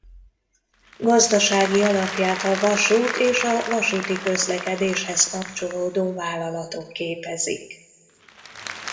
Gazdasági alapját a vasút és a vasúti közlekedéshez kapcsolódó vállalatok képezik.